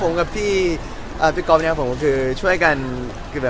ผมกับพี่ก๊อบเนี่ยก็คือช่วยให้การ